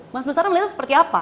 mas besar melihatnya seperti apa